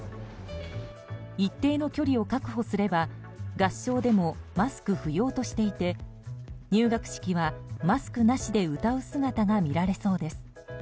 一定の距離を確保すれば合唱でもマスク不要としていて入学式はマスクなしで歌う姿が見られそうです。